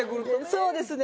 そうですね。